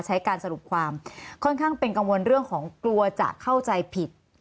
ใช้การสรุปความค่อนข้างเป็นกังวลเรื่องของกลัวจะเข้าใจผิด